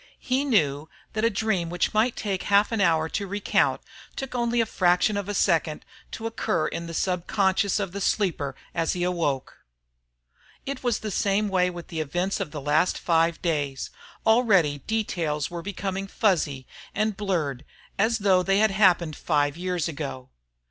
He knew that a dream which might take half an hour to recount took only a fraction of a second to occur in the sub conscious of the sleeper as he awoke. It was the same way with the events of the last five days; already details were becoming fuzzy and blurred as though they had happened five years ago.